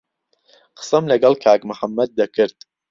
قسەم لەگەڵ کاک محەممەد دەکرد.